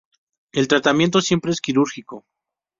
El tratamiento siempre es quirúrgico.